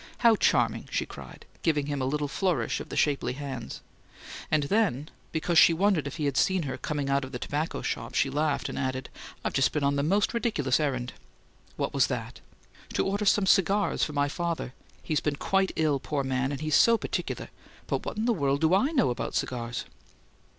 "How charming!" she cried, giving him a little flourish of the shapely hands; and then, because she wondered if he had seen her coming out of the tobacco shop, she laughed and added, "I've just been on the most ridiculous errand!" "What was that?" "To order some cigars for my father. He's been quite ill, poor man, and he's so particular but what in the world do I know about cigars?"